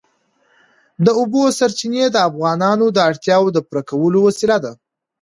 د اوبو سرچینې د افغانانو د اړتیاوو د پوره کولو وسیله ده.